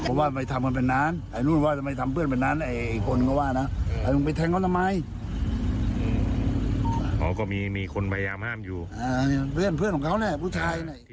กงี้ตอนเด็กมันใช่เคยเล่าไปจำ